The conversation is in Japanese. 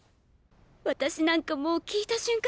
私なんかもう聞いた瞬間